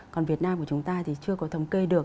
còn việt nam của chúng ta thì chưa có thống kê được